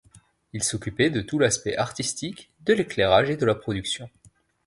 Il s’occupait de tout l’aspect artistique, de l’éclairage et de la production.